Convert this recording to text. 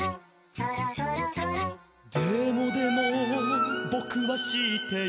「でもでもぼくはしっている」